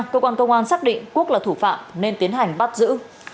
cơ quan công an xác định quốc là thủ phạm nên tiến hành bắt giữ